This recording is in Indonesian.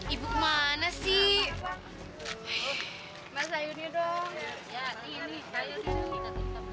ibu kemana sih